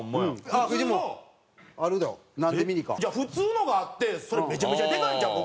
じゃあ普通のがあってそれめちゃめちゃでかいんちゃう？